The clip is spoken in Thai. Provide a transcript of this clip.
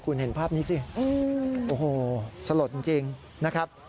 คุณเห็นภาพนี้สิโอ้โหสลดจริงนะครับ